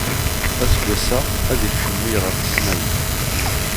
Aseggas-a, ad ikcem mmi ɣer tesnawit.